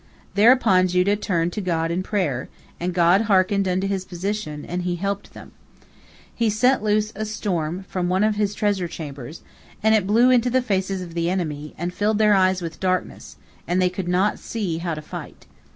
Thereupon Judah turned to God in prayer, and God hearkened unto his petition, and He helped them. He set loose a storm from one of His treasure chambers, and it blew into the faces of the enemy, and filled their eyes with darkness, and they could not see how to fight.